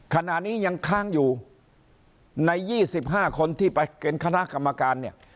ขณะนี้ยังค้างอยู่ใน๒๕คนที่ไปเป็นคณะกรรมการเนี่ย